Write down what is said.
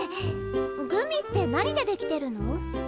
グミって何で出来てるの？